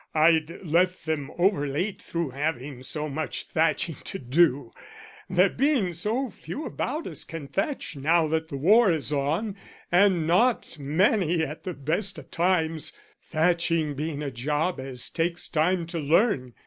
I'd left 'em over late through having so much thatching to do, there being so few about as can thatch now that the war is on, and not many at the best o' times thatching being a job as takes time to learn.